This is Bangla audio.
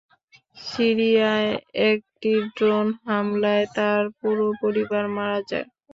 সিরিয়ায় একটি ড্রোন হামলায় তার পুরো পরিবার মারা যায়।